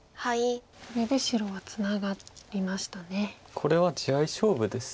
これは地合い勝負です。